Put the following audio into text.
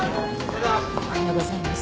おはようございます。